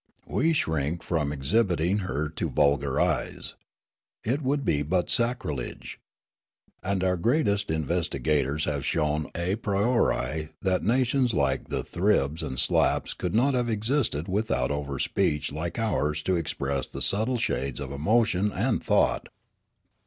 We shrink from exhibiting her to vulgar eyes. It would be but sacrilege. And our greatest investiga tors have shown a priori that nations like the Thribs and Slaps could not have existed without overspeech like ours to express the subtle shades of emotion and thought."